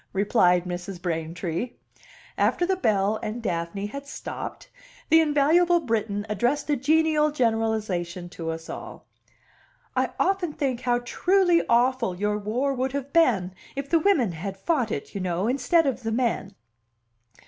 replied Mrs. Braintree. After the bell and Daphne had stopped, the invaluable Briton addressed a genial generalization to us all: "I often think how truly awful your war would have been if the women had fought it, y'know, instead of the men."